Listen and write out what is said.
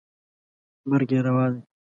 مرګ یې روا دی.